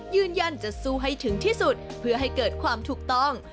ยืนยันจะสู้ให้ถึงที่สุดเพื่อให้เกิดความถูกต้อง